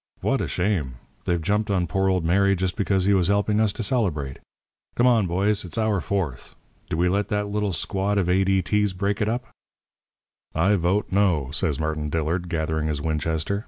'What a shame! They've jumped on poor old Mary just because he was helping us to celebrate. Come on, boys, it's our Fourth; do we let that little squad of A.D.T's break it up?' "'I vote No,' says Martin Dillard, gathering his Winchester.